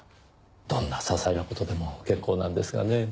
どんなささいな事でも結構なんですがねぇ。